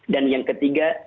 dan yang ketiga